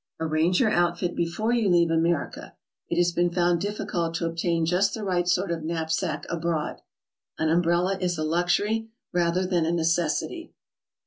Arrange your outfit before you leave America. It has been found difficult to obtain just the right 'Sort of knapsack abroad. An umbrella is a luxury rather than a necessity.